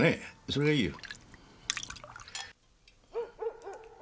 それがいいよ。